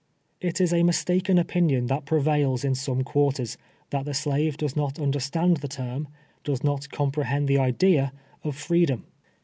It is a mistaken opinion that prevails in some quar ters, that the slave does not understand the term —■ does not comprehend the idea of freedom.